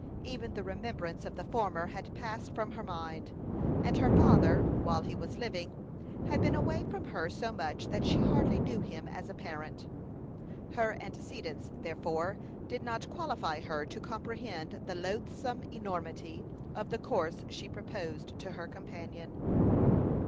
Even the remembrance of the former had passed from her mind; and her father, while he was living, had been away from her so much that she hardly knew him as a parent. Her antecedents, therefore, did not qualify her to comprehend the loathsome enormity of the course she proposed to her companion.